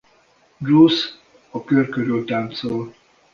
Juice a kör körül táncol.